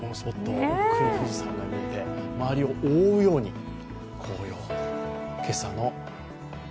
奥に富士山が見えて、周りを覆うように紅葉と。